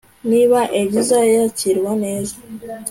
Niba Eliza yakirwa neza